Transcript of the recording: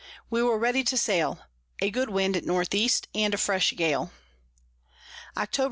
We were ready to sail: A good Wind at N E. and a fresh Gale. _Octob.